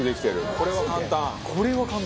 これは簡単。